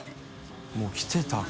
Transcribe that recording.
もう来てたか。